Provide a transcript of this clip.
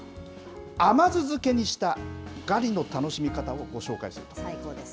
甘酢漬けにしたガリの楽しみ方を最高です。